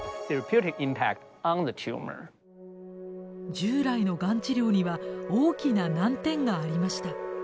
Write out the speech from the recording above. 従来のがん治療には大きな難点がありました。